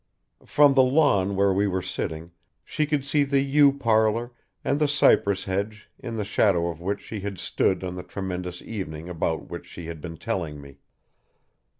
From the lawn where we were sitting she could see the yew parlour and the cypress hedge in the shadow of which she had stood on the tremendous evening about which she had been telling me.